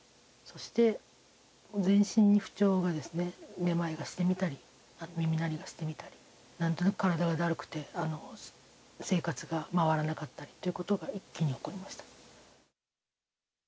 そして全身に不調があるんですね、めまいがしてみたり、あと、耳鳴りがしてみたり、なんとなく体がだるくて、生活が回らなかったりということが、一気に起こりました。